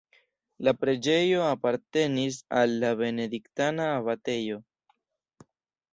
La preĝejo apartenis al la benediktana abatejo.